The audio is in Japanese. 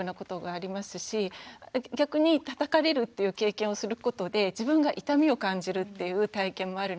逆にたたかれるっていう経験をすることで自分が痛みを感じるっていう体験もあるので。